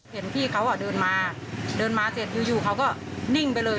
เห็นพี่เขาเดินมาเดินมาเสร็จอยู่เขาก็นิ่งไปเลย